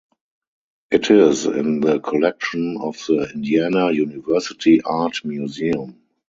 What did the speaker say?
It is in the collection of the Indiana University Art Museum.